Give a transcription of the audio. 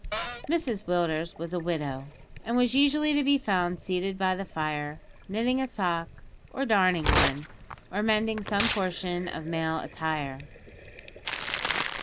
Mrs Willders was a widow, and was usually to be found seated by the fire, knitting a sock, or darning one, or mending some portion of male attire.